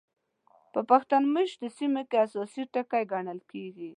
په پښتون مېشتو سیمو کې اساسي ټکي ګڼل کېږي.